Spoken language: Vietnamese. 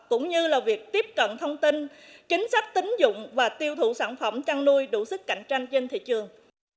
cũng như là việc tiếp cận thông tin chính sách tính dụng và tiêu thụ sản phẩm chăn nuôi đủ sức cạnh tranh trên thị trường